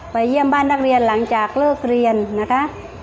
เยี่ยมบ้านนักเรียนหลังจากเลิกเรียนนะคะ